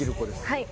はい。